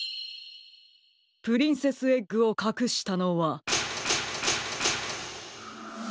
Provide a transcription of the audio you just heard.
プリンセスエッグをかくしたのは。